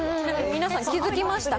皆さん、気付きました？